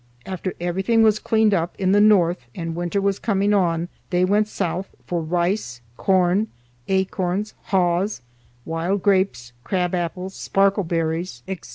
After everything was cleaned up in the north and winter was coming on, they went south for rice, corn, acorns, haws, wild grapes, crab apples, sparkle berries, etc.